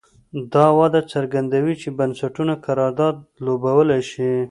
دا وده څرګندوي چې بنسټونه کردار لوبولی شي.